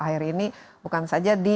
akhir ini bukan saja di